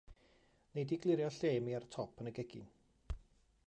Wnei di glirio lle i mi ar y top yn y gegin.